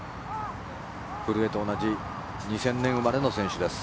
古江と同じ２０００年生まれの選手です。